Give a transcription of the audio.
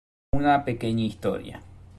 Una pequeña historia.